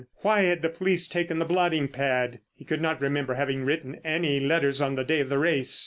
Why had the police taken the blotting pad? He could not remember having written any letters on the day of the race.